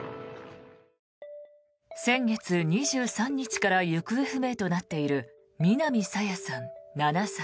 先月２３日から行方不明となっている南朝芽さん、７歳。